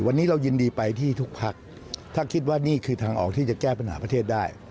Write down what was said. วันนี้เรายินดีไปที่ทุกพักถ้าคิดว่านี่คือทางออกที่จะแก้ปัญหาประเทศได้